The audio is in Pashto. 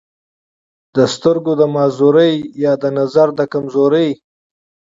دَسترګو دَمعذورۍ يا دَنظر دَکمزورۍ